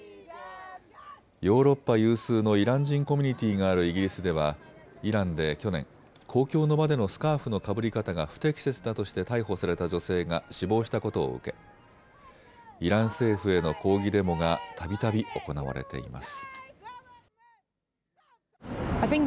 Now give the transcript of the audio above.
ヨーロッパ有数のイラン人コミュニティーがあるイギリスではイランで去年、公共の場でのスカーフのかぶり方が不適切だとして逮捕された女性が死亡したことを受けイラン政府への抗議デモがたびたび行われています。